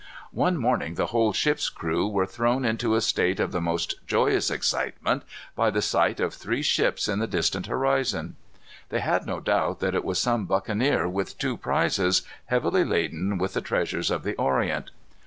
One morning the whole ship's crew were thrown into a state of the most joyous excitement by the sight of three ships in the distant horizon. They had no doubt that it was some buccaneer, with two prizes, heavily laden with the treasures of the Orient.